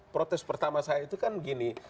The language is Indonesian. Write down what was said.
protes pertama saya itu kan gini